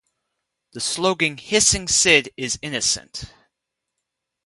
The slogan Hissing Sid is Innocent!